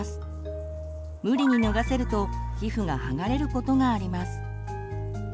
無理に脱がせると皮膚が剥がれることがあります。